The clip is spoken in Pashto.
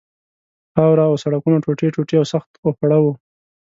خاوره او سړکونه ټوټې ټوټې او سخت اوپړه وو.